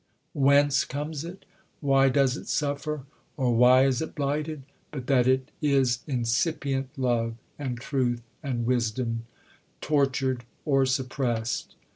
Whence comes it, why does it suffer, or why is it blighted, but that it is incipient love, and truth, and wisdom, tortured or suppressed?